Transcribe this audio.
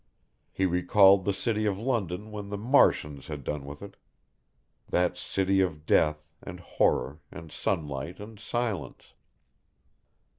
He recalled the city of London when the Martians had done with it, that city of death, and horror, and sunlight and silence.